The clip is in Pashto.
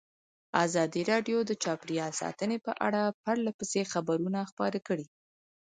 ازادي راډیو د چاپیریال ساتنه په اړه پرله پسې خبرونه خپاره کړي.